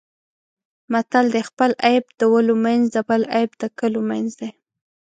متل دی: خپل عیب د ولو منځ د بل عیب د کلو منځ دی.